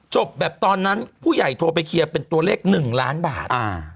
จบแบบตอนนั้นผู้ใหญ่โทรไปเคลียร์เป็นตัวเลข๑ล้านบาท